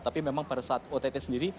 tapi memang pada saat ott sendiri